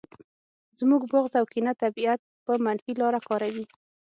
زموږ بغض او کینه طبیعت په منفي لاره کاروي